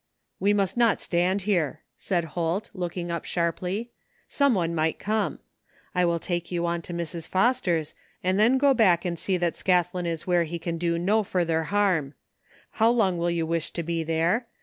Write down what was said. " We must not stand here," said Holt, looking up sharply, " some one might come. I will take you on to Mrs. Foster's, and then go back and see that Scathlin is where he can do no further harm. How long will you wish to be there?